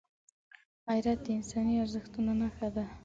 غیرت د انساني ارزښتونو نښه ده